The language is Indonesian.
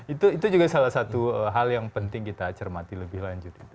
itu juga salah satu hal yang penting kita cermati lebih lanjut